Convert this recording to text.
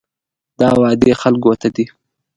دا وعدې خلکو ته دي.